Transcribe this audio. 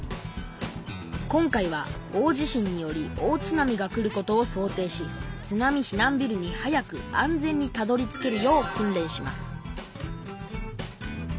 今回は大地震により大津波が来ることを想定し津波避難ビルに早く安全にたどりつけるよう訓練します